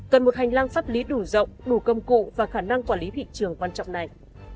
cần một hành lang pháp lý đủ rộng đủ công cụ và khả năng quản lý thị trường quan trọng này